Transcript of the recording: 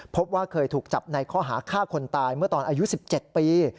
พบว่าเคยถูกจับในข้อหาฆ่าคนตายเมื่อตอนอายุ๑๗ปี